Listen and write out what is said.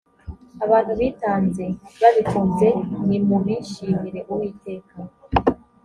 abantu bitanze babikunze nimubishimire uwiteka